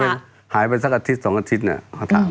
หายไปสักอาทิตย์๒อาทิตย์เนี่ยเขาถาม